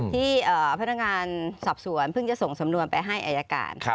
ที่พนักงานสอบสวนเพิ่งจะส่งสำนวนไปให้อายการ